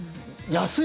安い！